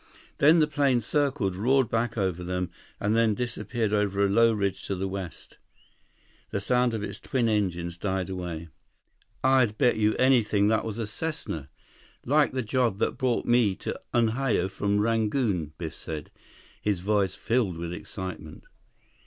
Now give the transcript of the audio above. Then the plane circled, roared back over them, and then disappeared over a low ridge to the west. The sound of its twin engines died away. "I'd bet you anything that was a Cessna. Like the job that brought me to Unhao from Rangoon," Biff said, his voice filled with excitement.